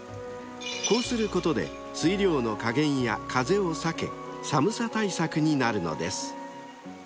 ［こうすることで水量の加減や風を避け寒さ対策になるのです］